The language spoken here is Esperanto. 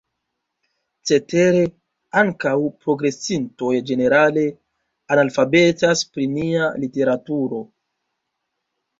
Cetere, ankaŭ progresintoj ĝenerale analfabetas pri nia literaturo.